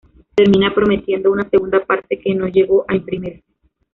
Termina prometiendo una segunda parte, que no llegó a imprimirse.